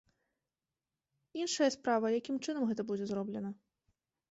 Іншая справа, якім чынам гэта будзе зроблена.